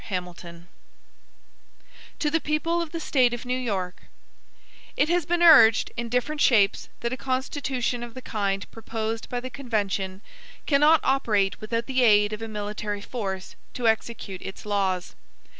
HAMILTON To the People of the State of New York: IT HAS been urged, in different shapes, that a Constitution of the kind proposed by the convention cannot operate without the aid of a military force to execute its laws.